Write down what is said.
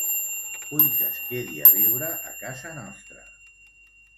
Vull que es quedi a viure a casa nostra.